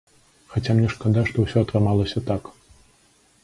Хаця мне шкада, што ўсё атрымалася так.